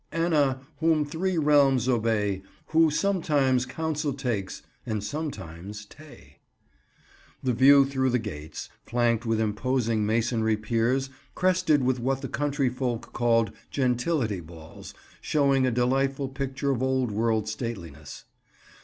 "Anna, whom three realms obey, Who sometimes counsel takes, and sometimes tay." The view through the gates, flanked with imposing masonry piers crested with what the country folk call "gentility balls," shows a delightful picture of old world stateliness.